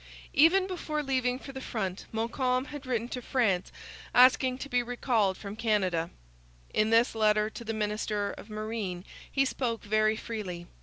Even before leaving for the front Montcalm had written to France asking to be recalled from Canada. In this letter to the minister of Marine he spoke very freely.